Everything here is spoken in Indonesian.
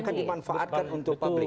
akan dimanfaatkan untuk publik